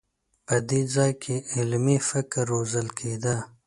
په دې ځای کې علمي فکر روزل کېده.